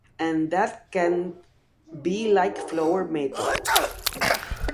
And that can´t be like flower metal".